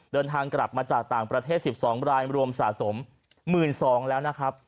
เดินทางกลับมาจากต่างประเทศ๑๒รายรวมสะสม๑๒๐๐แล้วนะครับ